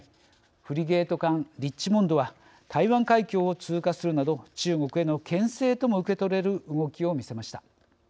フリゲート艦リッチモンドは台湾海峡を通過するなど中国のけん制とも受け取れる動きを見せました。